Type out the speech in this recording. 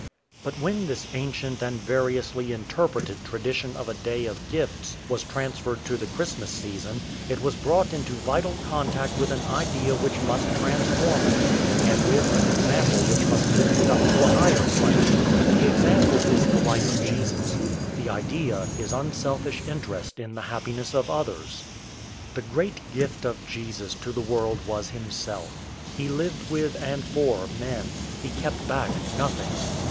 But when this ancient and variously interpreted tradition of a day of gifts was transferred to the Christmas season, it was brought into vital contact with an idea which must transform it, and with an example which must lift it up to a higher plane. The example is the life of Jesus. The idea is unselfish interest in the happiness of others. The great gift of Jesus to the world was himself. He lived with and for men. He kept back nothing.